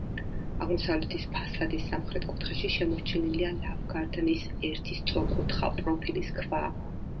აღმოსავლეთის ფასადის სამხრეთ კუთხეში შემორჩენილია ლავგარდნის ერთი სწორკუთხა პროფილის ქვა.